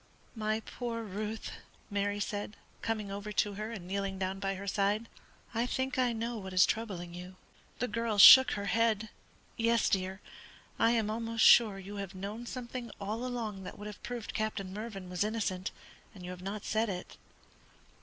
"My poor Ruth!" Mary said, coming over to her and kneeling down by her side. "I think I know what is troubling you." The girl shook her head. "Yes, dear, I am almost sure you have known something all along that would have proved Captain Mervyn was innocent, and you have not said it."